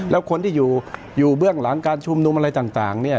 แล้วคนที่อยู่เบื้องหลังการชุมนุมอะไรต่างเนี่ย